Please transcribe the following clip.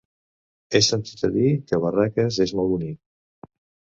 He sentit a dir que Barraques és molt bonic.